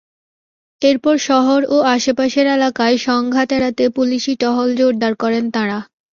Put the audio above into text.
এরপর শহর ও আশপাশের এলাকায় সংঘাত এড়াতে পুলিশি টহল জোরদার করেন তাঁরা।